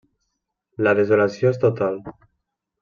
La desolació és total.